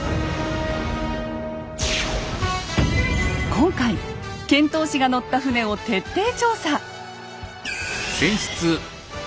今回遣唐使が乗った船を徹底調査。